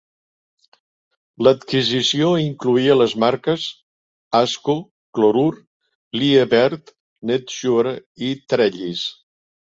L'adquisició incloïa les marques: ASCO, clorur, Liebert, Netsure, i Trellis.